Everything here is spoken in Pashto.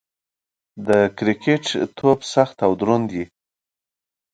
د کرکټ توپ سخت او دروند يي.